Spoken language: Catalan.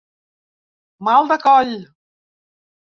Mal de coll.